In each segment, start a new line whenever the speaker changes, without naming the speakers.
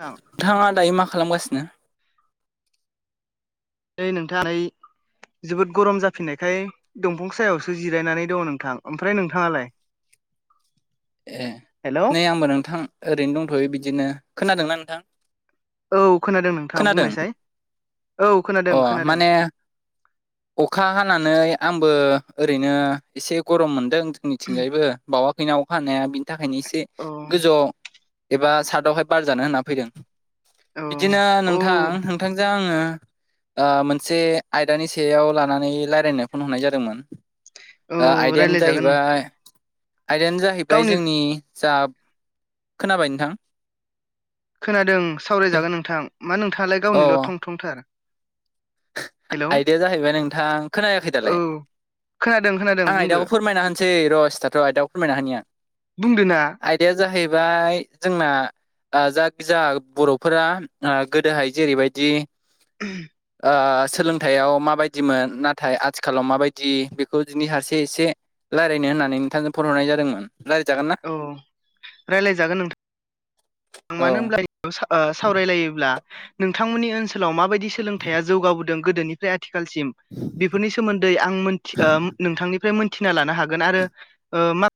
थां
नोंथाङा दायो मा खालामगासिनो
नै नोंथां [unintelligible] जोबोद गरम जाफिननायखाय दंफां सायावसो जिरायनानै दं नोंथां ओमफ्राय नोंथाङालाय
[inaudible] ए
हेल'
नै आंबो नोंथां ओरैनो दंथ'यो बिदिनो खोनादोंना नोंथां।
औ खोनादों नोंथां
खोनादों
बुंनायसाय। औ खोनादों
अ
खोनादों
माने अखा हानानै आंबो ओरैनो एसे गरम मोनदों जोंनिथिंजायबो बावाखैना अखा हानाया बिनिथाखायनो एसे
औ
गोजौआव एबा सादावहाय बारजानो होनना फैदों
औ
बिदिनो
औ
नोंथां नोंथांजों आङो ओ मोनसे आयदानि सायाव लानानै रायलायनो फन हरनाय जादोंमोन।
औ
ओ आयदायानो
रायलायजागोन नों
जाहैबाय आयदायानो जाहैबाय
गावनि
जोंनि जा खोनाबाय नोंथां?
खोनादों सावरायजागोन नोंथां मा नोंथाङालाय गावनिल'
औ
थं थंथार हेल' औ
आयदाया जाहैबाय नोंथां खोनायाखै दालाय
खोनादों खोनादों
आं
बुंदो
आइदाखौ फोरमायना होनोसै र सिथाथ आयदाखौ फोरमायना होनि आं आइ
बुंदो ना
आयदाया जाहैबाय जोंना जाख जा बर'फोरा गोदोहाय जेरैबायदि
[unintelligible]
ओ सोलोंथायाव माबायदिमोन नाथाय आथिखालाव माबायदि बेखौ बिनि फारसे एसे रायलायनो होननानै नोंथांजों फन हरनाय जादोंमोन रायलायजागोन ना
औ रायलायजागोन नों
औ
मानो होनब्ला सावरायलायोब्ला नोंथांमोननि ओनसोलाव माबायदि सोलोंथाया जौगाबो दों गोदोनिफ्राय आथिलसिम बेफोरनि सोमोन्दै आं मोनथि ओ नोंथांनिफ्राय मोनथिना लानो हा गोन आरो ओ मा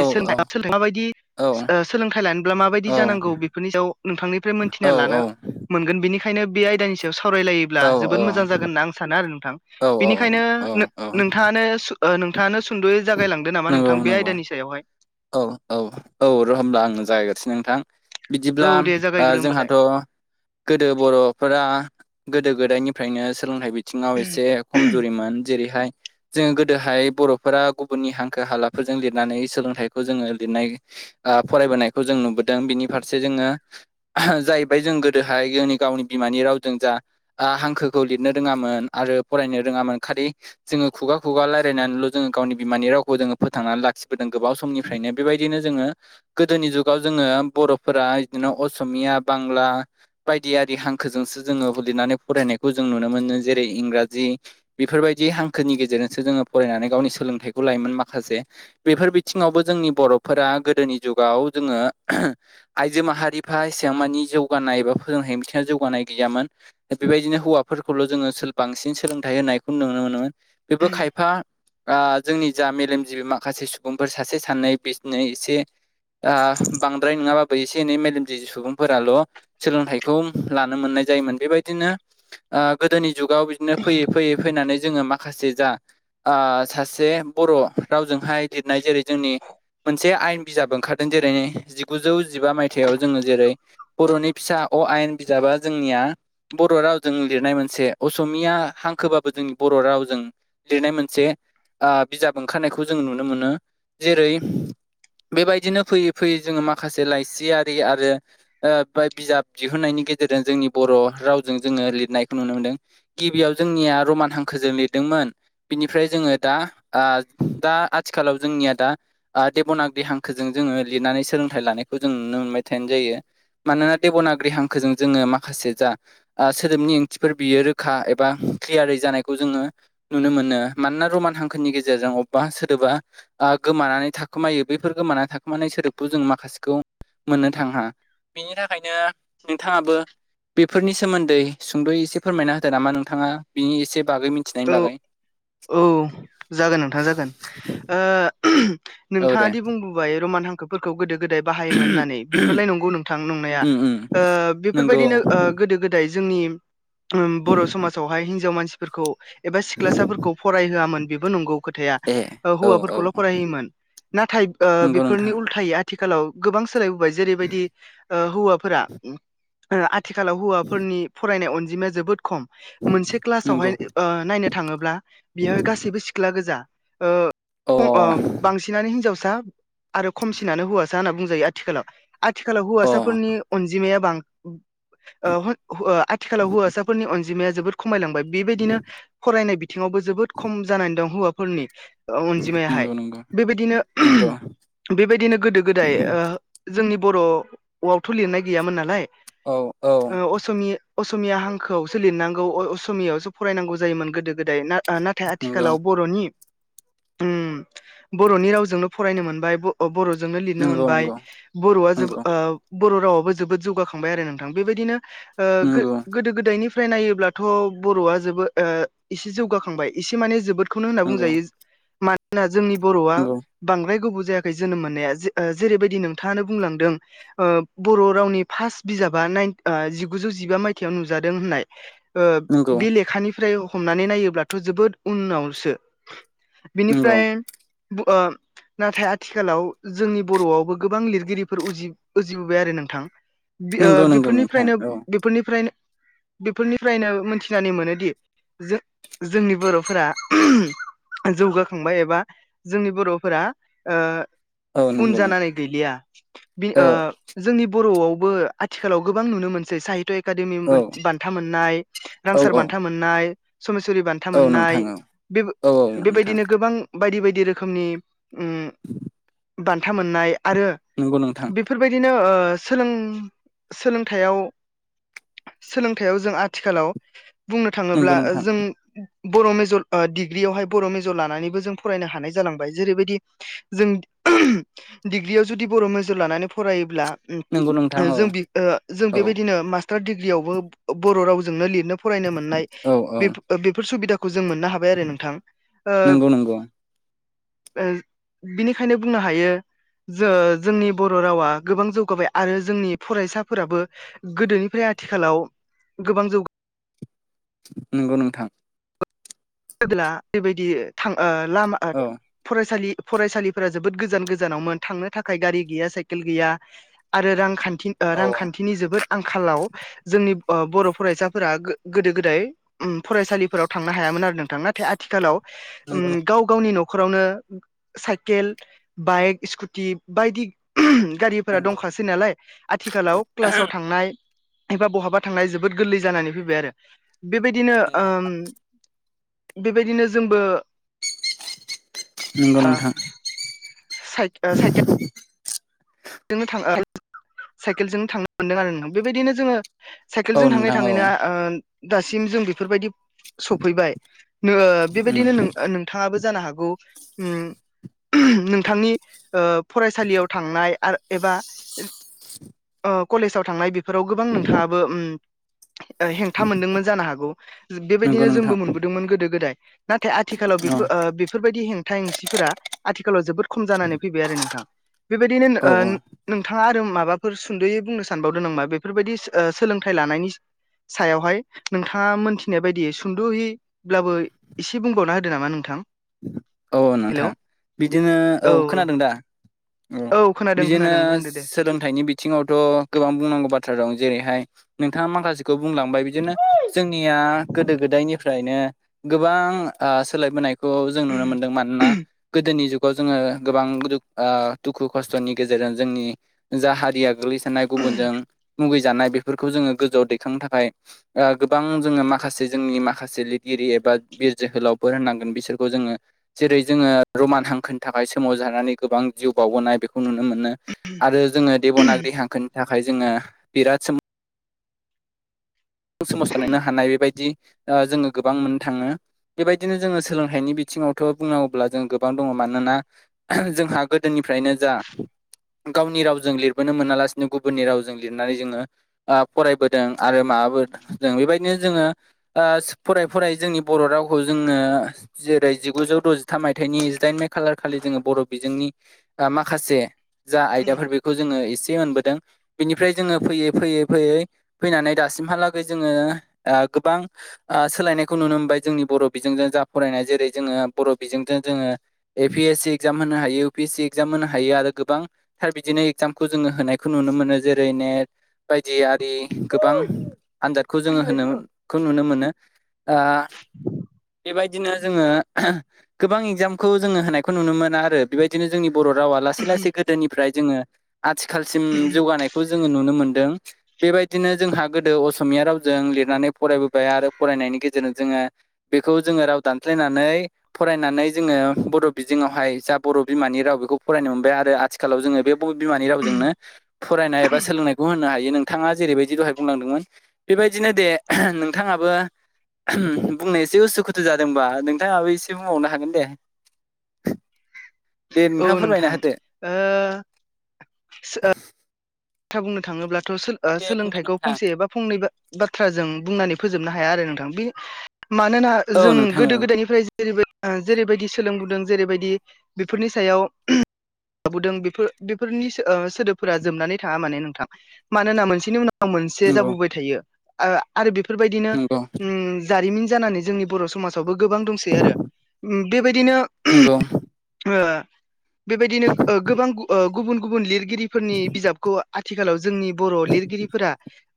औ
[unintelligible] माबायदि
औ
सोलोंथाइ लानो ब्ला माबायदि जानांगौ बेफोरनि सायाव नोंथांनिफ्राय
औ
मोनथिना लानो मोनगोन बेनिखायनो बे आयदानि सायाव सावरायलायो ब्ला
औ
जोबोर मोजां जागोन होनना आं सानो आरो नोंथां
औ
बेनिखायनो
औ
नो
औ
नोंथाङानो ओ नोंथाङानो सुद'यै जागायलांदो नामा
नंगौ
नोंथां बे
नंगौ
आयदानि सायावहाय
औ औ औ र होमब्ला आंनो जागायग्रोसै नोंथां बिदिब्ला
औ दे
ओ‌
जागायग्रो होमबालाय
जोंहाथ' गोदो बर'फोरा गोदो गोदायनिफ्रायनो सोलोंथाइ बि बिथिङाव एसे खमजुरिमोन जेरैहाय जोङो गोदोहाय बर'फोरा गुबुननि हांखो हालाफोरजों लिरनानै सोलोंथाइ खौ जोङो लिरनाय फरायबोनायखौ जों नुबोदों बिनि फारसे जोङो जाहैबाय जों गोदोहाय जोंनि गावनि बिमानि रावजों जा आं हांखोखौ लिरनो रोङामोन आरो फरायनो रोङामोन खालि जोङो खुगा खुगा रायलायनानैल' जोङो गावनि बिमानि रावखौ जोङो फोथांनानै लाखिबोदों गोबाव समनि फ्रायनो बेबायदिनो जोङो गोदोनि जुगाव जोङो बर'फोरा बिदिनो असमिया बांला बायदियारि हांखोजोंसो जोङो लिरनानै फरायनायखौ जों नुनो मोनो जेरै इंराजि बेफोरबायदि हांखोनि गेजेरजोंसो जोङो फरायनानै गावनि सोलोंथाइखौ लायोमोन माखासे बेफोर बिथिङावबो जोंनि बर'फोरा गोदोनि जुगाव जोङो आइजो माहारिफ्रा एसेबां मानि जौगानाय एबा सोलोंथाइ बिथिङाव जौगानाय गैयामोन बेबायदिनो हौवाफोरखौल' जोङो सोर बांसिन सोलोंथाइ होनायखौ नुनो मोनोमोन। बेबो खायफा जोंनि जा मेलेमजिबि माखासे सुबुंफोर सासे सानै बिदिनो एसे बांद्राय नङाबाबो एसे एनै मेलेमजिबि सुबुंफोराल' सोलोंथाइखौ लानो मोननाय जायोमोन बेबायदिनो गोदोनि जुगाव बिदिनो फैयै फैयै फैनानै जोङो मा माखासे जा सासे बर' रावजोंहाय लिरनाय जेरै जोंनि मोनसे आयेन बिजाब ओंखारदों जेरै जिगुजौ जिबा मायथाइयाव जोङो जेरै बर'नि फिसा अ आयेन बिजाबा जोंनिया बर' रावजों लिरनाय मोनसे असमिया हांखोबाबो जोंनि बर' रावजों लिरनाय मोनसे बिजाब ओंखारनायखौ जों नुनो मोनो जेरै बेबायदिनो फैयै फैयै जोङो माखासे लाइसियारि आरो ओ बिजाब दिहुननायनि गेजेरजों जोंनि बर' रावजों जोङो लिरनायखौ नुनो मोनदों गिबियाव जोंनिया रमान हांखोजों लिरदोंमोन बिनिफ्राय जोङो दा दा आथिखालाव जोंनिया दा ओ देब'नागिरि हांखोजों जोङो लिरनानै सोलोंथाइ लानायखौ जों नुनो मोनबाय थानाय जायो मानोना देब'नागिरि हांखोजों जोङो माखासे जा ओ सोदोबनि ओंथिफोर बियो रोखा एबा क्लियारै जानायखौ जोङो नुनो मोनो मानोना रमान हांखोनि गेजेरजों अबेबा सोदोबा ओ गोमानानै थाखोमायो बैफोर गोमानानै थाखोमानाय सोदोबखौ जों माखासेखौ मोननो थाङा बिनि थाखायनो नोंथाङाबो बेफोरनि सोमोन्दै सुंद'यै एसे फोरमायना होदो नामा नोंथाङा बिनि एसे बागै मिथि मिथिनायनि
औ
बागै
औ जागोन नोंथां जागोन
औ
नोंथाङादि बुंदों रमान हांखोफोरखौ गोदो गोदाय बाहायोमोन होननानै
दे
बेफोरलाय नंगौ नोंथां नंनाया
उम उम
ओ
नंगौ
बेफोरबायदिनो ओ गोदो गोदाय नाथाय जोंनि बर' समाजावहाय हिनजाव मानसिफोरखौ एबा सिख्लासाफोरखौ होआमोन बेबो नंगौ खोथाया
ए
ओ
औ औ
हौवाफोरखौल' फरायहोयोमोन नाथाय
नंगौ
बेफोरनि
नोंथां
उलथा थायो आथिखालाव गोबां सोलायबोबाय जेरैबायदि हौवाफोरा ओ आथिखालाव हौवाफोरनि फरायनाय अनजिमाया जोबोद खम मोनसे क्लासावहाय
नंगौ
ओ नायनो थाङोब्ला बेयाव गासैबो सिख्ला गोजा ओ
अ
बांसिनानो हिन्जावसा आरो खमसिनानो हौवासा होनना बुंजायो आथिखालाव आथिखालाव
अ
हौवासाफोरनि अनजिमाया बां ओ आथिखालाव हौवासाफोरनि अनजिमाया जोबोर खमायलांबाय बेबायदिनो फरायनाय बिथिङावबो जोबोद खम जानानै दं हौवाफोरनि अनजिमायाहाय
नंगौ नंगौ
बेबायदिनो
नंगौ
बेबायदिनो गोदो गोदाय ओ जोंनि बर'आवथ' लिरनाय गैयामोन नालाय
औ औ
ओ असमि असमिया हांखोआवसो लिरनांगौ असमियावसो फरायनांगौ जायोमोन गोदो गोदाय ना ओ नाथाय
नंगौ
आथिखालाव बर'नि उम बर'नि रावजोंनो फरायनो मोनबाय बर'जोंनो लिरनो
नंगौ
मोनबाय
नंगौ
बर'आ जोब
नंगौ
ओ बर' रावाबबो जोबोद जौगाखांबाय आरो नोंथां बेबायदिनो ओ
नंगौ
गोदो गोदायनि फ्राय नायोब्लाथ' बर'आ जोबोद ओ एसे जौगाखांबाय एसे माने जोबोद खौनो होनना
नंगौ
बुंजायो मानोना जोंनि बर'आ
नंगौ
बांद्राय गोबाव जायाखै जोनोम मोननाया जेरैबायदि नोंथाङानो बुंलांदों बर' रावनि फार्स्ट बिजाबा जिगुजौ जिबा मायथाइयाव नुजादों होननाय ओ
नंगौ
बे लेखानिफ्राय हमनानै नायोब्लाथ' जोबोद उनावसो
नंगौ
बिनिफ्राय ओ नाथाय आथिखालाव जोंनि बर'आवबो गोबां लिरगिरिफोर उजि उजिबोबाय आरो नोंथां ओ
नंगौ नंगौ नोंथां
बेफोरनिफ्रायनो
औ
बेफोरनिफ्रायनो बेफोरनिफ्रायनो मोनथिनानै मोनोदि जों जोंनि बर'फोरा जौगाखांबाय एबा जोंनि बर'फोरा ओ
औ
उन
नंगौ नोंथां
जानानै गैलिया बि
औ
ओ जोंनि बर'आवबो आथिखालाव गोबां नुनो मोनसै साहित्य ए एकादेमि
औ
बान्था मोननाय
औ
रांसार
औ
बान्था मोननाय समेसरि बान्था
औ नोंथां
मोननाय
औ
बे
औ औ नोंथां
बेबायदिनो गोबां बायदि बायदि रोखोमनि उम बान्था मोननाय आरो
नंगौ नोंथां
बेफोरबायदिनो ओ सोलों सोलोंथाइयाव सोलोंथाइयाव जों आथिखालाव बुंनो थाङोब्ला
नंगौ नोंथां
जों बर' मेजर डिग्रियावहाय बर' मेजर लानानैबो जों फरायनो हानाय जालांबाय जेरैबायदि जों डिग्रियाव जुदि बर' मेजर लानानै फरायोब्ला
नंगौ नोंथां औ
जों जों
औ
बेबायदिनो मास टार डिग्रियावबो बर' रावजोंनो लिरनो फरायनो मोननाय
औ औ
बेफोर सुबिदाखौ जों मोननो हा बाय आरो नोंथां
नंगौ नंगौ
बिनिखायनो बुंनो हायो जोंनि बर' रावा गोबां जौगाबाय आरो जोंनि फरायसाफोराबो गोदोनिफ्राय आथिखालाव गोबां जौ
नंगौ नोंथां
[unintelligible] बेबायदि थां लामा
औ
फरायसालि फरायसालिफोरा जोबोद गोजान गोजानावमोन थांनो थाखाय गारि गैया साइकेल गैया आरो रांखान्थि
औ औ
रांखान्थिनि जोबोद आंखालाव जोंनि बर' फरायसाफोरा गोदो गोदाय फरायसालिफोराव थांनो हायामोन आरो नों नोंथां नाथाय आथिखालाव
नंगौ नोंथां
गाव गावनि न'खरावनो साइकेल बाइक स्कुटि बायदि गारिफोरा
नंगौ
दंखासै नालाय आथिखालाव क्लासाव थांनाय एबा बहाबा थांनाया जोबोद गोरलै जानानै फैबाय आरो बेबायदिनो
नंगौ नोंथां
बेबायदिनो जोंबो
नंगौ नोंथां
साइ साइकेल जोंनो थाङो साइकेलजोंनो थांनो मोनदों आरो नोंथां बेबायदिनो जोङो
औ
साइकेलजों थाङै
नोंथां औ
थाङैनो दासिम जों बेफोरबायदि सफैबाय बेबायदिनो नोंथाङाबो जानो हागौ नोंथांनि फरायसालियाव थांनाय आरो एबा कलेजाव थांनाय फोराव गोबां नोंथाङाबो हेंथा मोनदोंमोन जानो हागौ
नंगौ
बेबायदिनो
नोंथां
जोंबो मोनबो दोंमोन गोदो गोदाय नाथाय आथिखालाव
औ
बेफोरबायदि हेंथा हेंसिफोरा आथिखालाव जोबोद खम जानानै फैबाय आरो नोंथां बेबायदिनो नों
औ औ
थाङा आरो माबाफोर सुन्द'यै बुंनो सानबावदों नोंबा बेफोरबायदि सोलोंथाइ लानायनि सायावहाय नोंथाङा मोनथिनाय बायदियै सुद'हि ब्लाबो एसे बुंबावना होदो नामा नोंथां
औ नोंथां
हेलौ
बिदिनो औ खोनादों दा औ
खोनादों
बिदिनो
खोनादों बुंदो दे
सोलोंथाइनि बि बिथिङावथ' गोबां बुंनांगौ बाथ्रा दं जेरैहाय नोंथाङा माखासे खौ बुंलांबाय बिदिनो जोंनिया गोदो गोदायनि फ्रायनो गोबां आ सोलायबोनायखौ जों नुनो मोनदों मानोना गोदोनि जुग खौ जोङो गोबां दुख ओ दुखु खस्थ'नि गेजेरजों जोंनि जा हारिया गोग्लै सोनाय गुबुनजों मुगैजानाय बेफोरखौ जोङो गोजौआव दैखांनो थाखाय गोबां जोङो माखासे जोंनि माखासे लिरगिरि एबा बिर जोहोलावफोर होननांगोन बिसोर ख जोङो जेरै जोङो रमान हांखोनि था खाय सोमाव जानानै गोबां जिउ बावबोनाय बेखौ नुनो मोनो आरो जोङो देब'नाग्रि हांखोनि था खाय जोङो बिराद सो सोमावसारनो [unintelligible] हानाय बेबायदि जोङो गोबां मोननो थाङो बेबायदिनो जोङो सोलोंथाइनि बिथिङावथ' बुंनांगौब्ला जों गोबां दङ मानोना जोंहा गोदोनिफ्रायनो जा गावनि रावजों लिरबोनो मोनालासिनो गुबुननि रावजों लिरनानै जोङो आ फरायबोदों आरो माबाबोदों बेबायदिनो जोङो ओ फरायै फरायै जोंनि बर' रावखौ जोङो जेरै जिगुजौ द'जिथाम मायथाइनि जिदाइन मे खालारखालि जोङो बर' बिजोंनि बा माखासे जा आयदाफोर बेखौ जोङो ए से मोनबोदों बेनिफ्राय जोङो फैयै फैयै फैयै फैनानै दासिमहाला गै जोङो दा गोबां ओ सोलायनायखौ नुनो मोनबाय जोंनि बर' बिजोंजों जा फरायनाय जेरै जोङो बर' बिजोंजों जोङो A P S C exam होनो हायो U P S C exam होनो हायो आरो गोबां थार बिदिनो एगजामखौ जोङो होनायखौ नुनो मोनो जेरै नेट बायदि आरि गोबां आनजादखौ जोङो होनोखौ नुनो मोनो दा बेबायदिनो जोङो गोबां एगजामखौ जोङो होनायखौ नुनो मोना आरो बेबाय दिनो जोंनि बर' रावा लासै लासै गोदोनिफ्राय जोङो आथिखालसिम जौगानायखौ जोङो नुनो मोनदों बेबायदिनो जोंहा गोदो अ समिया रावजों लिरनानै फरायबोबाय आरो फरायनायनि गेजेरजों जोङो बेखौ जोङो राव दानस्लायनानै फरायनानै जोङो बर' बिजोङावहाय जा बर' बिमानि राव बेखौ फरायनो मोनबाय आरो आथिखालाव जोङो बे बिमानि रावजोंनो फरायनाय एबा सोलोंनायखौ होनो हायो नोंथाङा जेरैबायदि दहाय बुंलांदोंमोन बेबायदिनो दे नोंथाङाबो बुंनो एसे उसुखुथु जादोंबा नोंथाङाबो एसे बुंबावनो हागोन दे [inaudible]
औ
नोंथाङा फोरमायना
नोंथां
होदो
ओ खोथा बुंनो थाङोब्लाथ' सो ओ
दे बुंदो
सोलोंथाइखौ
नोंथां
फंसे एबा फंनै बाथ्राजों बुंनानै फोजोबनो हाया आरो नोंथां बे मानोना
औ
जों
नोंथां औ
गोदो गोदायनिफ्राय जेरै जेरैबायदि सोलोंबोदों जेरैबायदि बेफोरनि सायाव लाबोदों बेफोर बेफोरनि सो ओ सोदोबफोरा जोबनानै थाङा माने नोंथां मानोना मोनसेनि उनाव मोनसे
नंगौ
जाबोबाय थायो आ आरो बेफोरबायदिनो जारिमिन जानानै जोंनि बर' समाजावबो गोबां दंसै आरो बेबायदिनो
नंगौ नंगौ
ओ बेबायदिनो ओ गोबां ओ गुबुन गुबुन लिरगिरिफोरनि बिजाब आथिखालाव जोंनि बर' लिरगिरिफोरा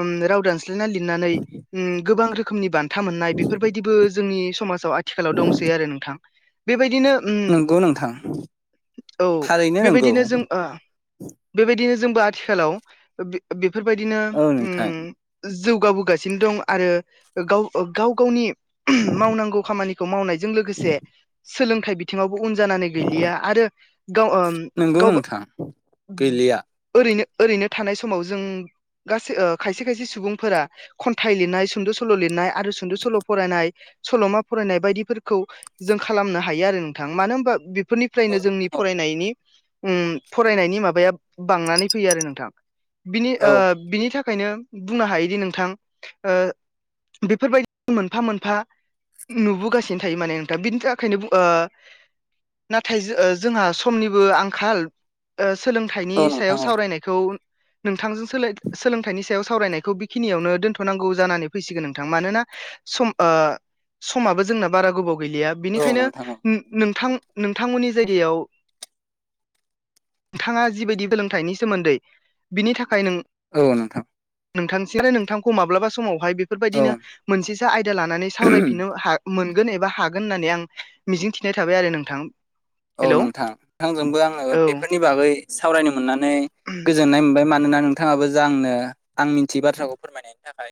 उम राव दानस स्लायना लिरनानै उम गोबां रोखोमनि बान था मोननाय बेफोरबायदिबो जोंनि समाजाव आथिखालाव दंसै आरो नोंथां बेबायदिनो उम
नंगौ नोंथां
औ
थारैनो नंगौ
बेबायदिनो जों आ बेबायदिनो जोंबो आथिखालाव बेफोरबायदिनो
औ नोंथां
उम जौगाबोगासिनो दं आरो गाव गाव गावनि मावनांगौ खामानिखौ मावनायजों लोगोसे सोलोंथाइ बि बिथिङावबो उन जानानै गैलिया आरो गाव
नंगौ
गावबा
नोंथां गैलिया
ओरैनो ओरैनो थानाय समाव जों गासै खायसे खायसे सुबुंफोरा खन्थाइ लिरनाय सुंद' सल' लिरनाय आरो सुंद' सल' फरायनाय सल'मा फरायनाय बायदिफोरखौ जों खालामनो हायो आरो नोंथां मानो होनबा
औ
फोरनिफ्रायनो जोंनि
नोंथां औ
फरायनायनि फरायनायनि माबाया बांनानै फैयो आरो नोंथां बिनि बिनि थाखायनो बुंनो हायोदि नोंथां बेफोरबायदि मोनफा मोनफा नुबोगासिनो थायो माने नोंथां बिनि थाखायनो नाथाय जोंहा समनिबो आंखाल सोलोंथाइनि
औ
सायाव
नोंथां औ
नायखौ नोंथांजों सोलाय सोलोंथाइनि सायाव सावरायनायखौ बेखिनियावनो दोनथ'नांगौ जानानै फैसिगोन नोंथां मानोना सम समाबो जोंना बारा गोबाव गैलिया
औ
बिनिखायनो
नोंथां औ
नोंथां नोंथांमोननि जायगायाव नोंथाङा जिबायदि सोलोंथाइनि सोमोन्दै बिनि थाखाय नों
औ नोंथां
नोंथांसि आरो नोंथांखौ माब्लाबा समावहाय
औ
बेफोरबायदिनो मोनसेसा आयदा लानानै
औ
सावरायफिननो मोनगोन एबा हागोन होननानै आं मिजिं थिनाय थाबाय आरो नोंथां
औ
हेलौ
नोंथां नोंथांजोंबो आङो
औ
बेफोरनि बागै सावरायनो मोननानै
[unintelligible]
गोजोननाय मोनबाय मानोना नोंथाङाबो जा आंनो आं मिथियै बाथ्राखौ फोरमायनायनि थाखाय